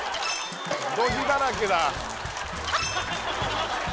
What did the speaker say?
ドジだらけだ